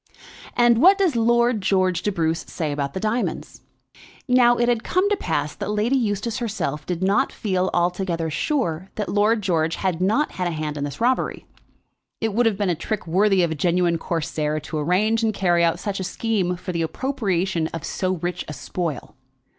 "And what does Lord George de Bruce say about the diamonds?" Now it had come to pass that Lady Eustace herself did not feel altogether sure that Lord George had not had a hand in this robbery. It would have been a trick worthy of a genuine Corsair to arrange and carry out such a scheme for the appropriation of so rich a spoil.